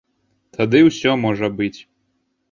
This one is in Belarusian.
Тады ўсё можа быць.